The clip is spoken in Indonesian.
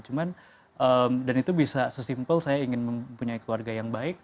cuman dan itu bisa sesimpel saya ingin mempunyai keluarga yang baik